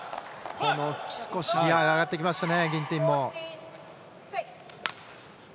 少しギアが上がってきましたね